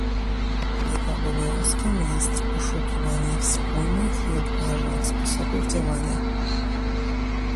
Jego obowiązkiem jest poszukiwanie spójnych i odważnych sposobów działania